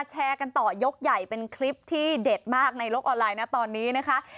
แชร์กันต่อยกใหญ่เป็นคลิปที่เด็ดมากในโลกออนไลน์นะตอนนี้นะคะ